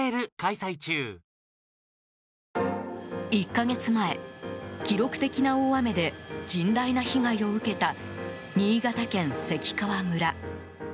１か月前、記録的な大雨で甚大な被害を受けた新潟県関川村。